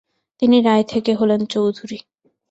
তিনি রায় থেকে হলেন চৌধুরী।